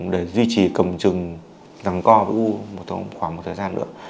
để duy trì cầm chừng giằng co của ung thư gan khoảng một thời gian nữa